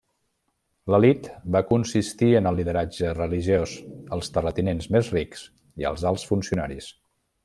L'elit va consistir en el lideratge religiós, els terratinents més rics i els alts funcionaris.